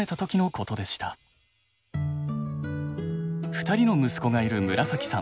２人の息子がいるむらさきさん。